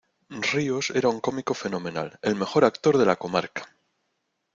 Ríos era un cómico fenomenal, ¡el mejor actor de la comarca!